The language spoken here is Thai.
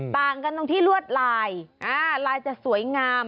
ต่างกันตรงที่ลวดลายลายจะสวยงาม